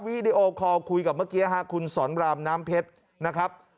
วีดีโอคอลคุยกับเมื่อกี้ฮะคุณสอนรามน้ำเพชรนะครับ